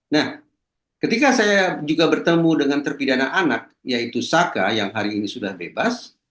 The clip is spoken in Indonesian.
nah ketika saya juga bertemu dengan terpidana anak yaitu saka yang hari ini sudah bebas